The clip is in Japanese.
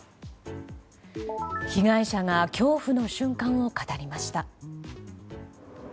被害者が恐怖の瞬間を語りました。